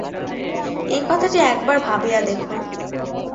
এই কথাটি একবার ভাবিয়া দেখুন।